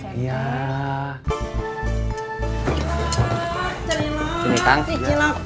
kita ada buku buku untuk anak sd smt